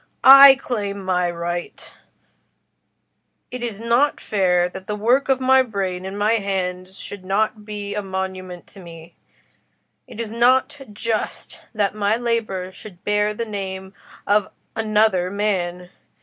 I claim my right: it is not fair that the work of my brain and my hands should not be a monument to me—it is not just that my labour should bear the name of another man.